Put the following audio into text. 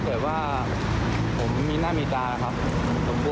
เป็นปัญหาส่วนตัวใช่ไหมคะ